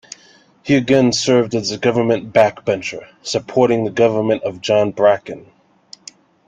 He again served as a government backbencher, supporting the government of John Bracken.